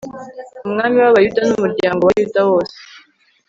umwami w'abayuda n'umuryango wa yuda wose